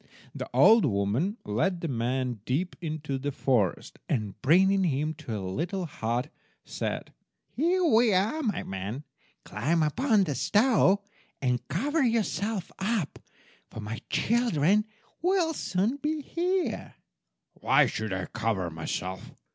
The old woman led the man deep into the forest, and bringing him to a little hut, said— "Here we are, my man. Climb up upon the stove and cover yourself up, for my children will soon be here." "Why should I cover myself?"